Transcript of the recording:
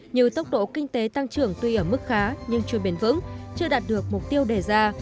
như tốc độ kinh tế tăng trưởng tuy ở mức khá nhưng chưa bền vững chưa đạt được mục tiêu đề ra